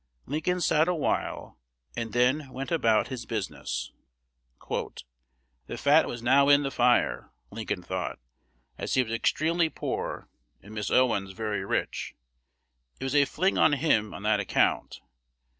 Lincoln sat a while, and then went about his business. "The fat was now in the fire. Lincoln thought, as he was extremely poor, and Miss Owens very rich, it was a fling on him on that account.